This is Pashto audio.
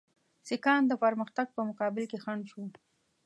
سیکهان د پرمختګ په مقابل کې خنډ شو.